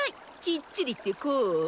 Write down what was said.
きっちりってこう？